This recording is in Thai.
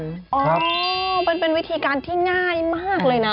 มันเป็นวิธีการที่ง่ายมากเลยนะ